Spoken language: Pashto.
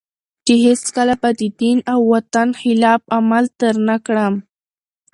چي هیڅکله به د دین او وطن خلاف عمل تر نه کړم